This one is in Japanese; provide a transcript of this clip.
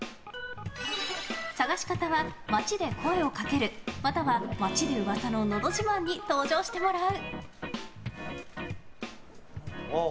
探し方は、街で声をかけるまたは、街で噂ののど自慢に登場してもらう。